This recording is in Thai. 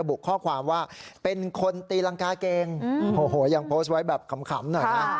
บุข้อความว่าเป็นคนตีรังกาเกงโอ้โหยังโพสต์ไว้แบบขำหน่อยนะ